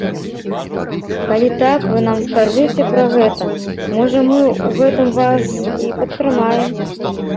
Калі так, вы нам скажыце пра гэта, можа, мы ў гэтым вас і падтрымаем.